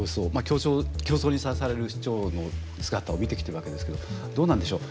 競争にさらされる市長の姿を見てきてるわけですけどどうなんでしょう。